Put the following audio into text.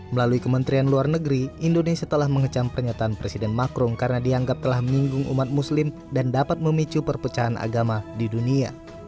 melalui kementerian luar negeri indonesia telah mengecam pernyataan presiden macron karena dianggap telah menyinggung umat muslim dan dapat memicu perpecahan agama di dunia